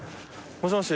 もしもし。